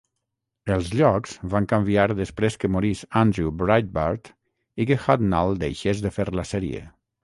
Els llocs van canviar després que morís Andrew Breitbart i que Hudnall deixés de fer la sèrie.